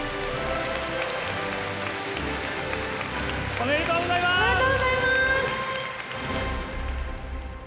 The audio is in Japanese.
おめでとうございます！